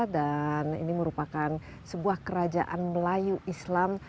dan ini merupakan sebuah kerajaan melayu islam